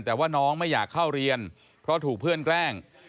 แต่ว่าน้องไม่อยากเข้าเรียนเพราะถูกเพื่อนแกล้ง